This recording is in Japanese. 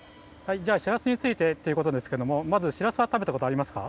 じゃあしらすについてっていうことですけどもまずしらすはたべたことはありますか？